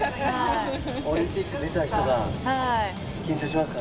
オリンピック出た人が緊張しますか。